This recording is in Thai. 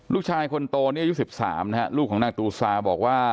ลูกชายคนโตนี่อายุ๑๓นะฮะลูกของนางตูซาบอกว่า